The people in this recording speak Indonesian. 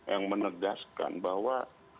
yang menegaskan bahwa